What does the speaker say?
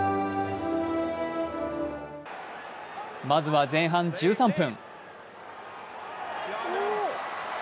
まずは前半１３分。